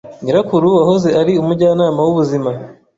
nyirakuru, wahoze ari umujyanama w’ubuzima.